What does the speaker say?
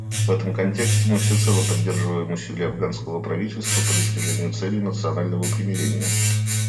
В этом контексте мы всецело поддерживаем усилия афганского правительства по достижению целей национального примирения.